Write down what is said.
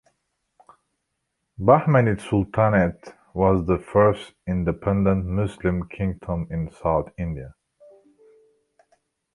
Bahmanid Sultanate was the first independent Muslim kingdom in South India.